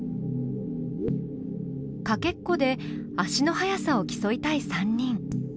かけっこで足の速さを競いたい３人。